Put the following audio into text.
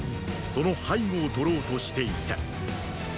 その背後をとろうとしていた。